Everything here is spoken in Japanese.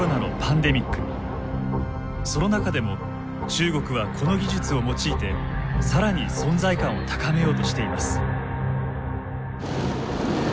その中でも中国はこの技術を用いて更に存在感を高めようとしています。